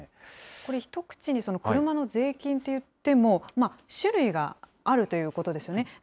これ一口に、車の税金といっても、種類があるということですよね。